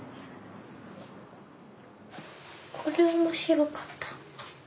これ面白かった。